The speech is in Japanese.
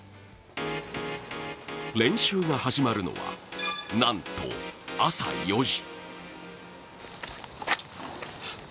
練習が始まるのはなんと、朝４時。